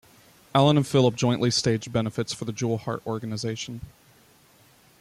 Allen and Philip jointly staged benefits for the Jewel Heart organization.